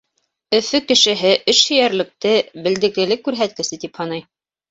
Өфө кешеһе эшһөйәрлекте белдеклелек күрһәткесе тип һанай.